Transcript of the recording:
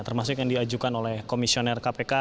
termasuk yang diajukan oleh komisioner kpk